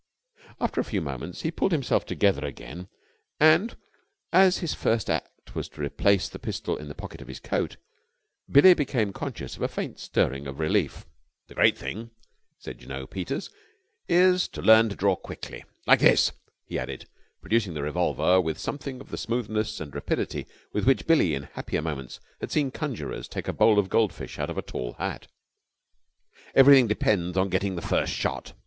After a few moments, he pulled himself together again, and, as his first act was to replace the pistol in the pocket of his coat, Billie became conscious of a faint stirring of relief. "The great thing," said Jno. Peters, "is to learn to draw quickly. Like this!" he added, producing the revolver with something of the smoothness and rapidity with which Billie, in happier moments, had seen conjurers take a bowl of gold fish out of a tall hat. "Everything depends on getting the first shot!